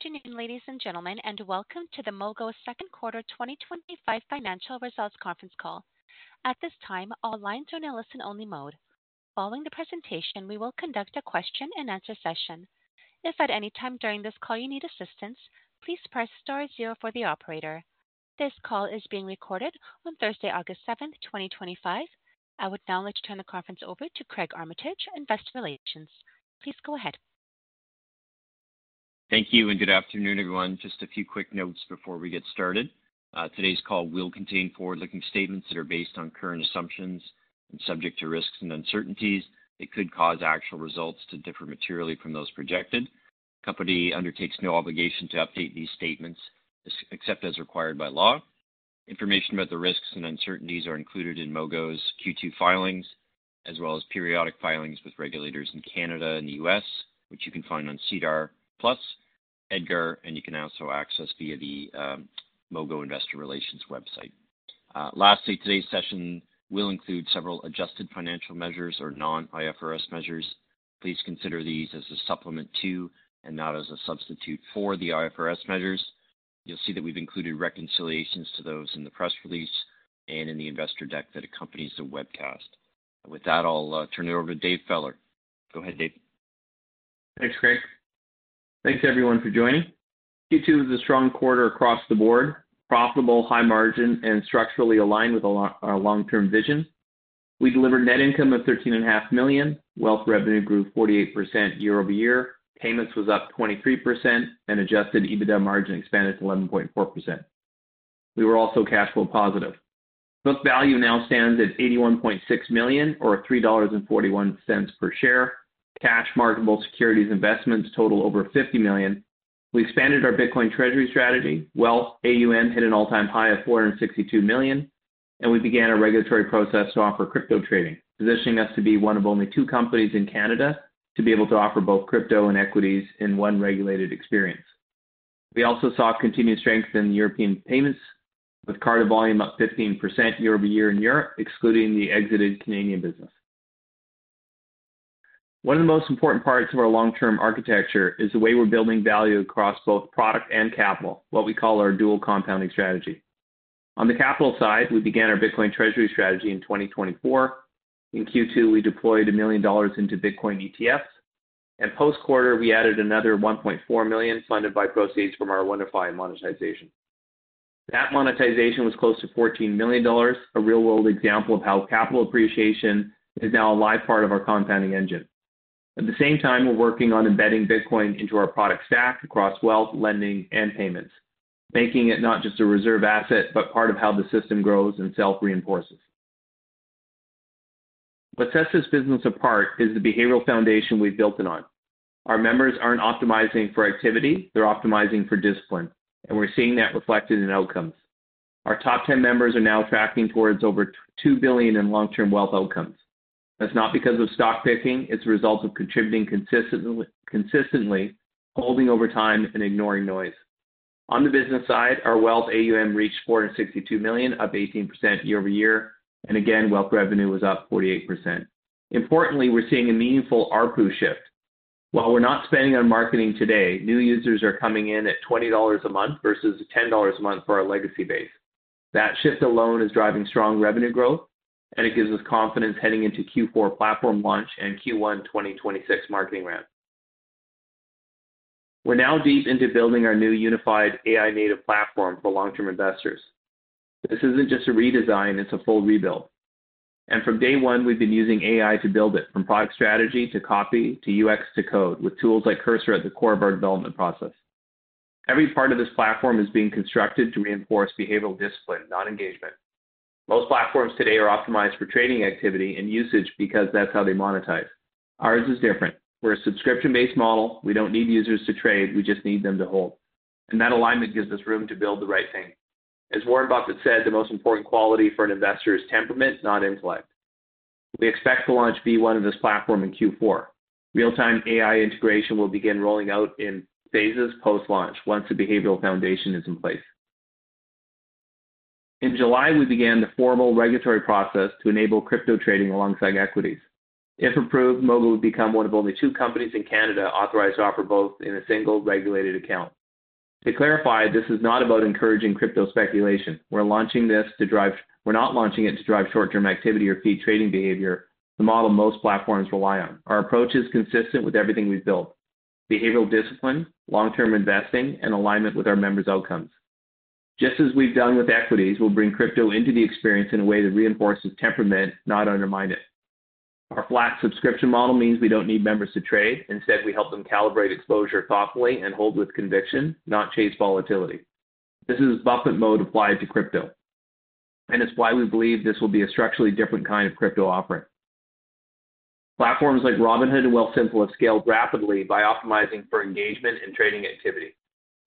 Good afternoon, ladies and gentlemen, and welcome to the Mogo Inc. Second Quarter 2025 Financial Results Conference Call. At this time, all lines are in a listen-only mode. Following the presentation, we will conduct a question-and-answer session. If at any time during this call you need assistance, please press star zero for the operator. This call is being recorded on Thursday, August 7th, 2025. I would now like to turn the conference over to Craig Armitage, Investor Relations. Please go ahead. Thank you, and good afternoon, everyone. Just a few quick notes before we get started. Today's call will contain forward-looking statements that are based on current assumptions and subject to risks and uncertainties that could cause actual results to differ materially from those projected. The company undertakes no obligation to update these statements except as required by law. Information about the risks and uncertainties are included in Mogo's Q2 filings, as well as periodic filings with regulators in Canada and the U.S., which you can find on SEDAR Plus, EDGAR, and you can also access via the Mogo Investor Relations website. Lastly, today's session will include several adjusted financial measures or non-IFRS measures. Please consider these as a supplement to and not as a substitute for the IFRS measures. You'll see that we've included reconciliations to those in the press release and in the investor deck that accompanies the webcast. With that, I'll turn it over to Dave Feller. Go ahead, Dave. Thanks, Craig. Thanks, everyone, for joining. Q2 was a strong quarter across the board, profitable, high margin, and structurally aligned with our long-term vision. We delivered net income of $13.5 million. Wealth revenue grew 48% year-over-year. Payments was up 23%, and adjusted EBITDA margin expanded to 11.4%. We were also cash flow positive. Book value now stands at $81.6 million, or $3.41 per share. Cash marketable securities investments total over $50 million. We expanded our Bitcoin Treasury strategy. Wealth assets under management hit an all-time high of $462 million, and we began a regulatory process to offer crypto trading, positioning us to be one of only two companies in Canada to be able to offer both crypto and equities in one regulated experience. We also saw continued strength in European payments, with card volume up 15% year-over-year in Europe, excluding the exited Canadian business. One of the most important parts of our long-term architecture is the way we're building value across both product and capital, what we call our dual compounding strategy. On the capital side, we began our Bitcoin Treasury strategy in 2024. In Q2, we deployed $1 million into Bitcoin ETFs, and post-quarter, we added another $1.4 million funded by proceeds from our WonderFi monetization. That monetization was close to $14 million, a real-world example of how capital appreciation is now a live part of our compounding engine. At the same time, we're working on embedding Bitcoin into our product stack across wealth, lending, and payments, making it not just a reserve asset but part of how the system grows and self-reinforces. What sets this business apart is the behavioral foundation we've built it on. Our members aren't optimizing for activity; they're optimizing for discipline, and we're seeing that reflected in outcomes. Our top 10 members are now tracking towards over $2 billion in long-term wealth outcomes. That's not because of stock picking; it's a result of contributing consistently, holding over time, and ignoring noise. On the business side, our wealth assets under management reached $462 million, up 18% year-over-year, and again, wealth revenue was up 48%. Importantly, we're seeing a meaningful ARPU shift. While we're not spending on marketing today, new users are coming in at $20 a month versus $10 a month for our legacy base. That shift alone is driving strong revenue growth, and it gives us confidence heading into Q4 platform launch and Q1 2026 marketing round. We're now deep into building our new unified AI-native platform for long-term investors. This isn't just a redesign, it's a full rebuild. From day one, we've been using AI to build it, from product strategy to copy to UX to code, with tools like Cursor at the core of our development process. Every part of this platform is being constructed to reinforce behavioral discipline, not engagement. Most platforms today are optimized for trading activity and usage because that's how they monetize. Ours is different. We're a subscription-based model. We don't need users to trade, we just need them to hold. That alignment gives us room to build the right thing. As Warren Buffett said, the most important quality for an investor is temperament, not intellect. We expect to launch B1 of this platform in Q4. Real-time AI Integration will begin rolling out in phases post-launch once the behavioral foundation is in place. In July, we began the formal regulatory process to enable crypto trading alongside equities. If approved, Mogo would become one of only two companies in Canada authorized to offer both in a single regulated account. To clarify, this is not about encouraging crypto speculation. We're not launching it to drive short-term activity or feed trading behavior, the model most platforms rely on. Our approach is consistent with everything we've built: behavioral discipline, long-term investing, and alignment with our members' outcomes. Just as we've done with equities, we'll bring crypto into the experience in a way that reinforces temperament, not undermines it. Our flat subscription model means we don't need members to trade. Instead, we help them calibrate exposure thoughtfully and hold with conviction, not chase volatility. This is Buffett mode applied to crypto, and it's why we believe this will be a structurally different kind of crypto offering. Platforms like Robinhood and Wealthsimple have scaled rapidly by optimizing for engagement and trading activity.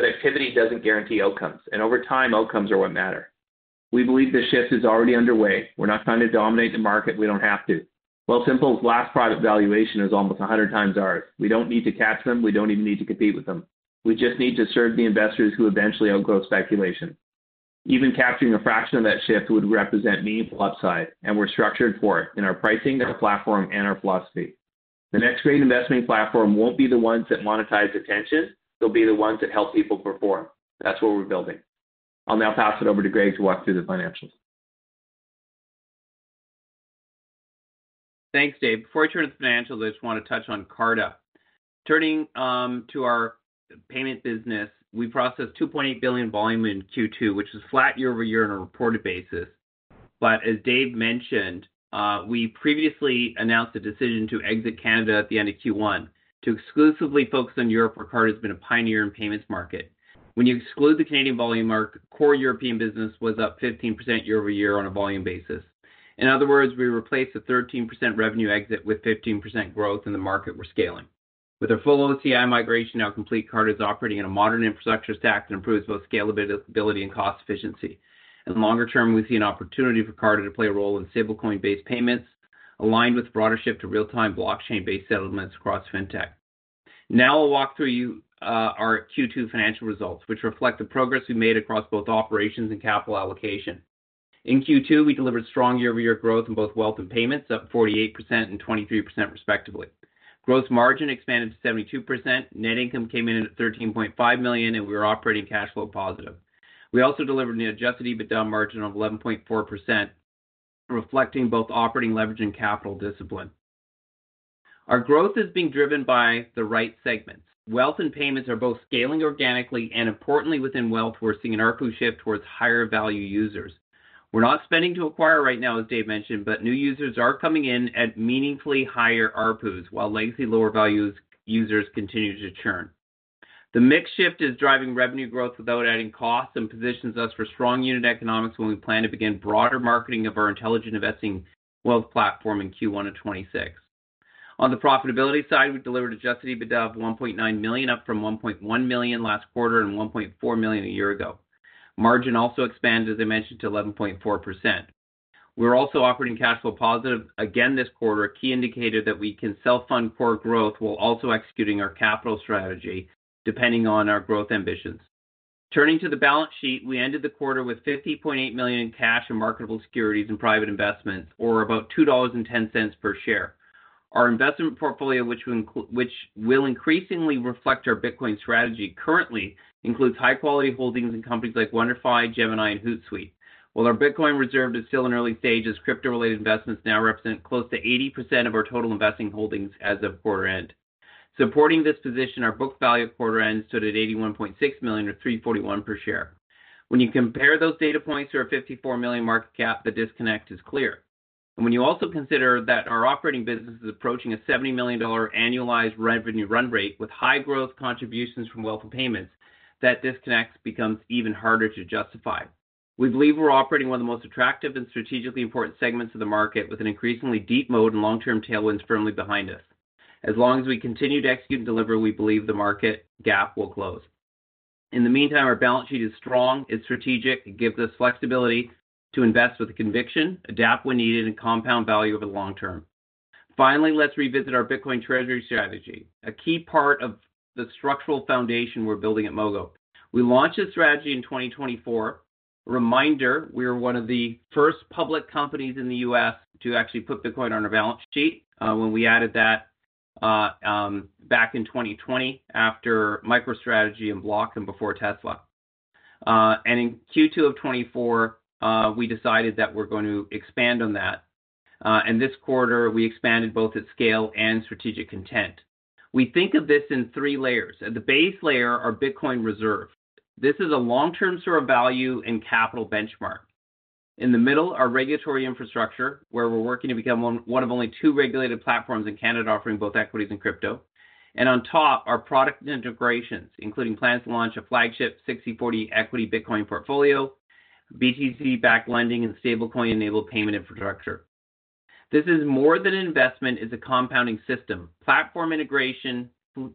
Activity doesn't guarantee outcomes, and over time, outcomes are what matter. We believe this shift is already underway. We're not trying to dominate the market, we don't have to. Wealthsimple's last private valuation was almost 100 times ours. We don't need to catch them, we don't even need to compete with them. We just need to serve the investors who eventually outgrow speculation. Even capturing a fraction of that shift would represent meaningful upside, and we're structured for it in our pricing of the platform and our philosophy. The next great investment platform won't be the ones that monetize attention, they'll be the ones that help people perform. That's what we're building. I'll now pass it over to Greg to walk through the financials. Thanks, Dave. Before I turn to the financials, I just want to touch on Carta. Turning to our payments business, we processed $2.8 billion in Q2, which is flat year-over-year on a reported basis. As Dave mentioned, we previously announced a decision to exit Canada at the end of Q1 to exclusively focus on Europe, where Carta has been a pioneer in the payments market. When you exclude the Canadian volume market, core European business was up 15% year-over-year on a volume basis. In other words, we replaced the 13% revenue exit with 15% growth in the market we're scaling. With our full OCI migration now complete, Carta is operating in a modern infrastructure stack that improves both scalability and cost efficiency. Longer term, we see an opportunity for Carta to play a role in stablecoin-based payments, aligned with the broader shift to real-time blockchain-based settlements across fintech. Now I'll walk through our Q2 financial results, which reflect the progress we made across both operations and capital allocation. In Q2, we delivered strong year-over-year growth in both wealth and payments, up 48% and 23% respectively. Gross margin expanded to 72%. Net income came in at $13.5 million, and we were operating cash flow positive. We also delivered an adjusted EBITDA margin of 11.4%, reflecting both operating leverage and capital discipline. Our growth is being driven by the right segments. Wealth and payments are both scaling organically, and importantly, within wealth, we're seeing an ARPU shift towards higher value users. We're not spending to acquire right now, as Dave mentioned, but new users are coming in at meaningfully higher ARPUs, while legacy lower value users continue to churn. The mix shift is driving revenue growth without adding costs and positions us for strong unit economics when we plan to begin broader marketing of our intelligent investing wealth platform in Q1 of 2026. On the profitability side, we delivered adjusted EBITDA of $1.9 million, up from $1.1 million last quarter and $1.4 million a year ago. Margin also expanded, as I mentioned, to 11.4%. We're also operating cash flow positive again this quarter, a key indicator that we can self-fund core growth while also executing our capital strategy, depending on our growth ambitions. Turning to the balance sheet, we ended the quarter with $50.8 million in cash and marketable securities and private investments, or about $2.10 per share. Our investment portfolio, which will increasingly reflect our Bitcoin strategy, currently includes high-quality holdings in companies like WonderFi, Gemini, and Hootsuite. While our Bitcoin reserve is still in early stages, crypto-related investments now represent close to 80% of our total investing holdings as of quarter end. Supporting this position, our book value at quarter end stood at $81.6 million, or $3.41 per share. When you compare those data points to our $54 million market cap, the disconnect is clear. When you also consider that our operating business is approaching a $70 million annualized revenue run rate with high growth contributions from Wealth and Payments, that disconnect becomes even harder to justify. We believe we're operating in one of the most attractive and strategically important segments of the market, with an increasingly deep moat and long-term tailwinds firmly behind us. As long as we continue to execute and deliver, we believe the market gap will close. In the meantime, our balance sheet is strong. It's strategic. It gives us flexibility to invest with conviction, adapt when needed, and compound value over the long term. Finally, let's revisit our Bitcoin Treasury strategy, a key part of the structural foundation we're building at Mogo. We launched this strategy in 2024. A reminder, we were one of the first public companies in the U.S. to actually put Bitcoin on our balance sheet when we added that back in 2020 after MicroStrategy and Block and before Tesla. In Q2 of 2024, we decided that we're going to expand on that. This quarter, we expanded both at scale and strategic intent. We think of this in three layers. At the base layer, our Bitcoin reserve. This is a long-term store of value and capital benchmark. In the middle, our regulatory infrastructure, where we're working to become one of only two regulated platforms in Canada offering both equities and crypto. On top, our product integrations, including plans to launch a flagship 60/40 equity Bitcoin portfolio, BTC-backed Lending, and stablecoin-enabled payment infrastructure. This is more than an investment; it's a compounding system. Platform integration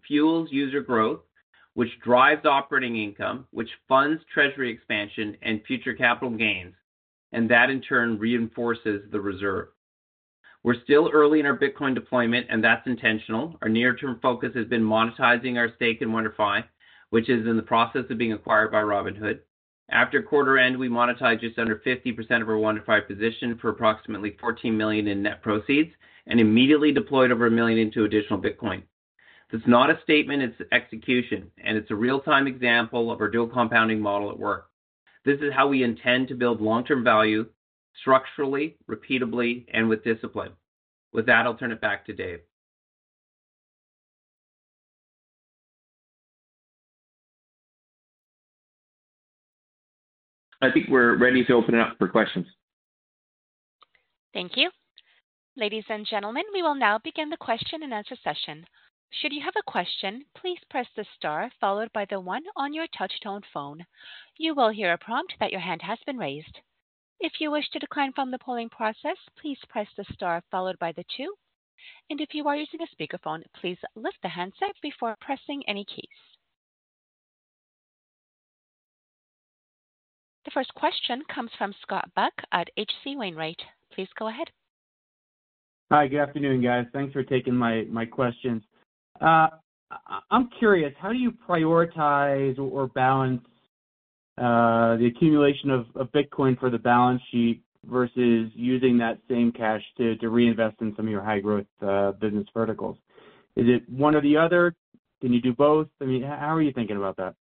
fuels user growth, which drives operating income, which funds treasury expansion and future capital gains, and that in turn reinforces the reserve. We're still early in our Bitcoin deployment, and that's intentional. Our near-term focus has been monetizing our stake in WonderFi, which is in the process of being acquired by Robinhood. After quarter end, we monetized just under 50% of our WonderFi position for approximately $14 million in net proceeds and immediately deployed over $1 million into additional Bitcoin. That's not a statement, it's execution, and it's a real-time example of our dual compounding model at work. This is how we intend to build long-term value structurally, repeatably, and with discipline. With that, I'll turn it back to David. I think we're ready to open it up for questions. Thank you. Ladies and gentlemen, we will now begin the question-and-answer session. Should you have a question, please press the star followed by the one on your touchtone phone. You will hear a prompt that your hand has been raised. If you wish to decline from the polling process, please press the star followed by the two. If you are using a speakerphone, please lift the handset before pressing any keys. The first question comes from Scott Buck at H.C. Wainwright. Please go ahead. Hi, good afternoon, guys. Thanks for taking my questions. I'm curious, how do you prioritize or balance the accumulation of Bitcoin for the balance sheet versus using that same cash to reinvest in some of your high-growth business verticals? Is it one or the other? Can you do both? How are you thinking about that?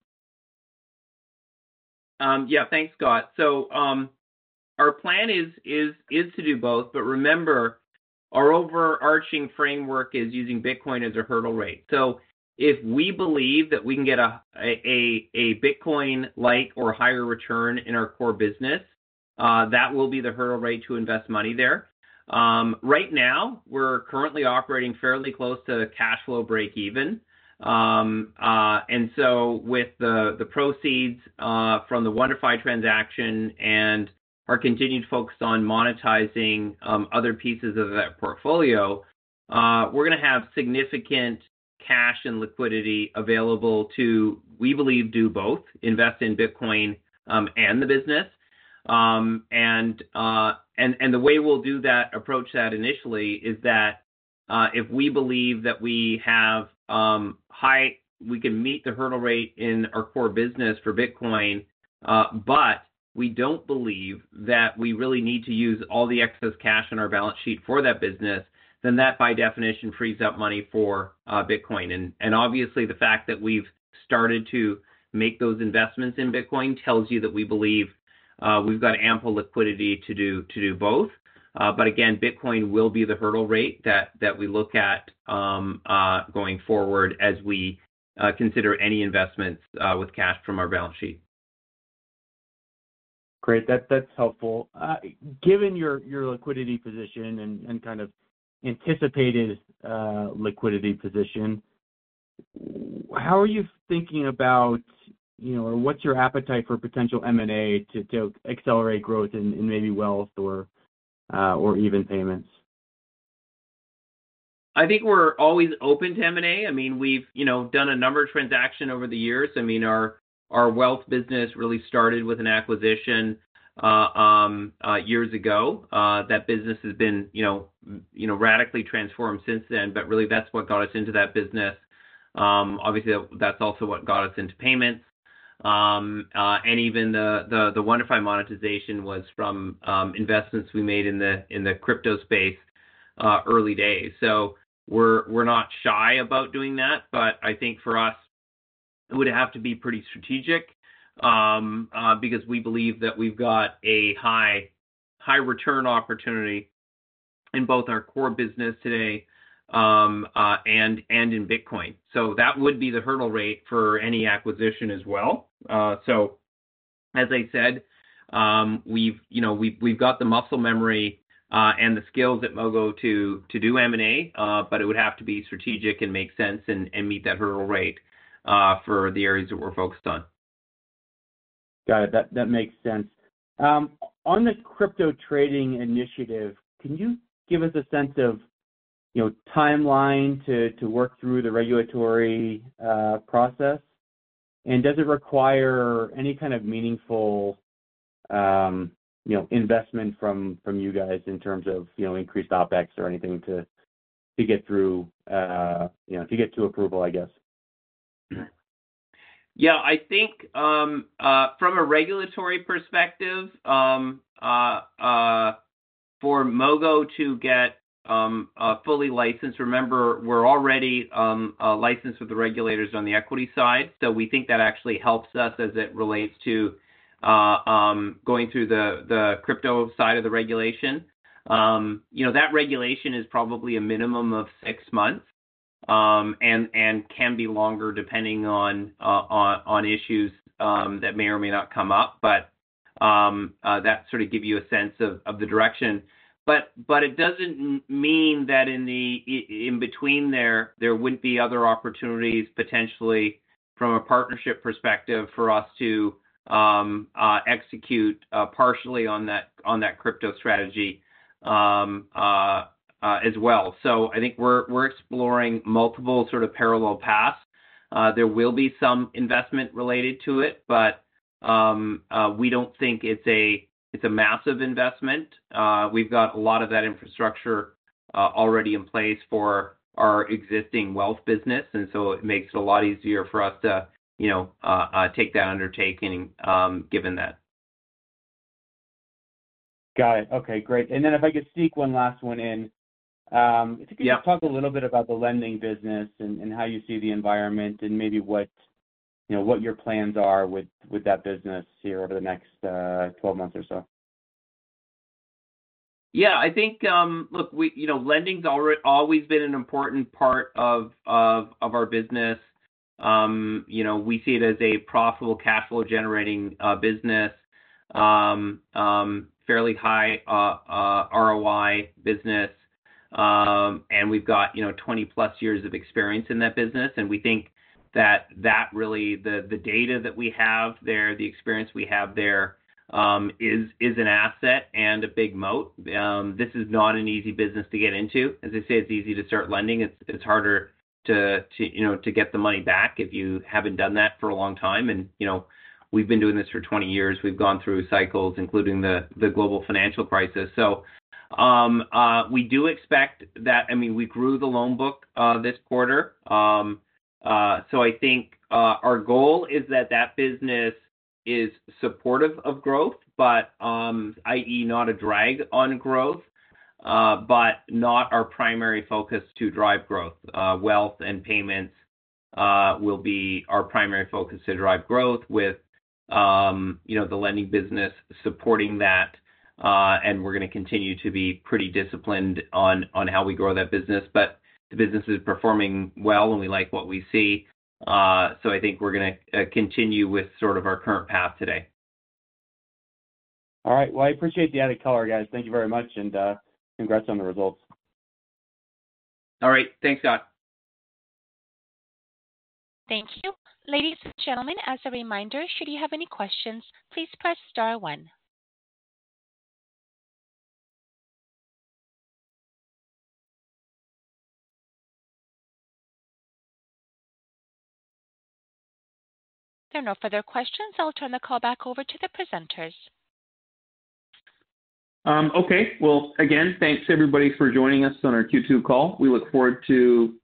Yeah, thanks, Scott. Our plan is to do both, but remember, our overarching framework is using Bitcoin as a hurdle rate. If we believe that we can get a Bitcoin-like or higher return in our core business, that will be the hurdle rate to invest money there. Right now, we're currently operating fairly close to cash flow break-even. With the proceeds from the WonderFi transaction and our continued focus on monetizing other pieces of that portfolio, we're going to have significant cash and liquidity available to, we believe, do both, invest in Bitcoin and the business. The way we'll approach that initially is that if we believe that we have high, we can meet the hurdle rate in our core business for Bitcoin, but we don't believe that we really need to use all the excess cash on our balance sheet for that business, then that by definition frees up money for Bitcoin. Obviously, the fact that we've started to make those investments in Bitcoin tells you that we believe we've got ample liquidity to do both. Again, Bitcoin will be the hurdle rate that we look at going forward as we consider any investments with cash from our balance sheet. Great, that's helpful. Given your liquidity position and kind of anticipated liquidity position, how are you thinking about, you know, or what's your appetite for potential M&A to accelerate growth in maybe Wealth or even Payments? I think we're always open to M&A. We've done a number of transactions over the years. Our wealth business really started with an acquisition years ago. That business has been radically transformed since then, but really, that's what got us into that business. Obviously, that's also what got us into payments. Even the WonderFi monetization was from investments we made in the crypto space early days. We're not shy about doing that, but I think for us, it would have to be pretty strategic because we believe that we've got a high return opportunity in both our core business today and in Bitcoin. That would be the hurdle rate for any acquisition as well. As I said, we've got the muscle memory and the skills at Mogo to do M&A, but it would have to be strategic and make sense and meet that hurdle rate for the areas that we're focused on. Got it. That makes sense. On the crypto trading initiative, can you give us a sense of timeline to work through the regulatory process? Does it require any kind of meaningful investment from you guys in terms of increased OpEx or anything to get to approval, I guess? Yeah, I think from a regulatory perspective, for Mogo to get fully licensed, remember, we're already licensed with the regulators on the equity side. We think that actually helps us as it relates to going through the crypto side of the regulation. That regulation is probably a minimum of six months and can be longer depending on issues that may or may not come up. That sort of gives you a sense of the direction. It doesn't mean that in between there, there wouldn't be other opportunities potentially from a partnership perspective for us to execute partially on that crypto strategy as well. I think we're exploring multiple sort of parallel paths. There will be some investment related to it, but we don't think it's a massive investment. We've got a lot of that infrastructure already in place for our existing wealth business, and it makes it a lot easier for us to take that undertaking given that. Got it. OK, great. If I could sneak one last one in, could you just talk a little bit about the Lending business and how you see the environment and maybe what your plans are with that business here over the next 12 months or so. Yeah, I think, look, lending's always been an important part of our business. We see it as a profitable, cash-flow-generating business, fairly high ROI business. We've got 20-plus years of experience in that business, and we think that really, the data that we have there, the experience we have there is an asset and a big moat. This is not an easy business to get into. It's easy to start lending. It's harder to get the money back if you haven't done that for a long time. We've been doing this for 20 years. We've gone through cycles, including the global financial crisis. We do expect that. I mean, we grew the loan book this quarter. I think our goal is that that business is supportive of growth, i.e., not a drag on growth, but not our primary focus to drive growth. Wealth and payments will be our primary focus to drive growth, with the lending business supporting that. We're going to continue to be pretty disciplined on how we grow that business. The business is performing well, and we like what we see. I think we're going to continue with sort of our current path today. All right. I appreciate the added color, guys. Thank you very much, and congrats on the results. All right. Thanks, Scott. Thank you. Ladies and gentlemen, as a reminder, should you have any questions, please press star one. If there are no further questions, I'll turn the call back over to the presenters. OK, again, thanks, everybody, for joining us on our Q2 call. We look forward to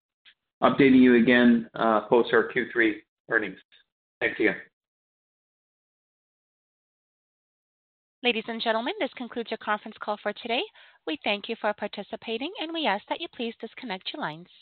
updating you again post our Q3 earnings. Thanks, again. Ladies and gentlemen, this concludes our conference call for today. We thank you for participating, and we ask that you please disconnect your lines.